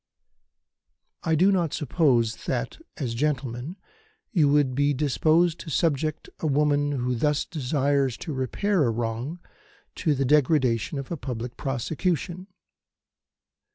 "I do not suppose that, as gentlemen, you would be disposed to subject a woman who thus desires to repair a wrong to the degradation of a public prosecution.